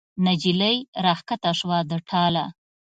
نجلۍ را کښته شوه د ټاله